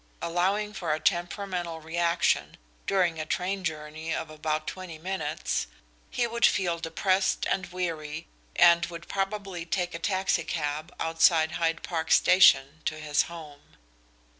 Allowing for a temperamental reaction during a train journey of about twenty minutes, he would feel depressed and weary and would probably take a taxi cab outside Hyde Park station to his home.